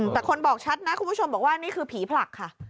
แต่คนบอกชัดนะคุณผู้ชมบอกว่านี่คือผีผลักค่ะ